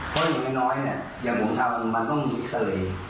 เพราะอย่างน้อยเนี่ยอย่างผมทำมันต้องมีเอ็กซาเรย์